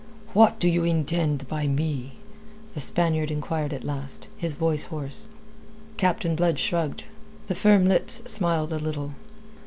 "What do you intend by me?" the Spaniard enquired at last, his voice hoarse. Captain Blood shrugged. The firm lips smiled a little.